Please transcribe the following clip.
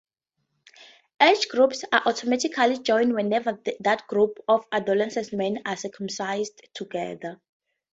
Age groups are automatically joined whenever that group of adolescent men are circumcised together.